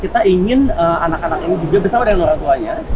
kita ingin anak anak ini juga bersama dengan orang tuanya